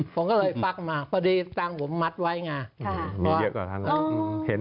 ผมก็เลยฝักมาพอดีตรงผมมัดไว้มีเยอะกว่าท่าน